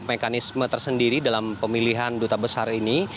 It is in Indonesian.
mekanisme tersendiri dalam pemilihan duta besar ini